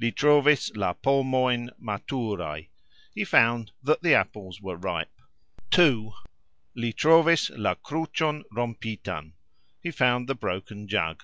Li trovis la pomojn maturaj. He found (that) the apples (were) ripe. 2. Li trovis la krucxon rompitan. He found the broken jug.